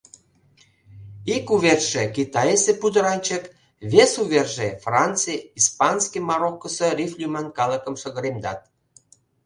Ик уверже — Китайысе пудыранчык, вес уверже — Франций, Испанский Мароккысо риф лӱман калыкым шыгыремдат.